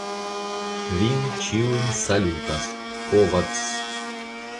Vin ĉiujn salutas: Kovacs.